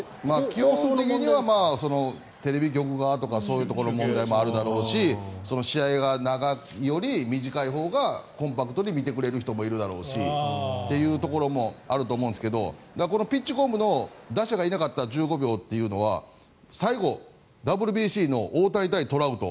基本的にはテレビ局側とかそういうところの問題もあるだろうし試合が長いより短いほうがコンパクトに見てくれる人もいるだろうしというところもあると思うんですけどこのピッチコムの打者がいなかったら１５秒というのは最後、ＷＢＣの大谷対トラウト。